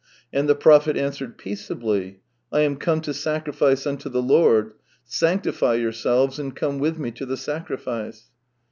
And the prophet answered: ' Peaceably: I am come to sacrifice unto the Lord: sanctify your selves and come with me to the sacrifice.'